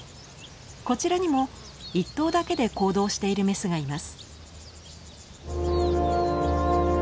こちらにも１頭だけで行動しているメスがいます。